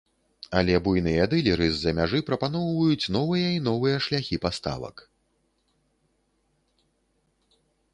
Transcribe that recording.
Але буйныя дылеры з-за мяжы прапаноўваюць новыя і новыя шляхі паставак.